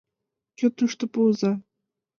— Кӧ тушто, пуыза!